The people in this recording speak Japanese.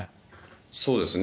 そうですね。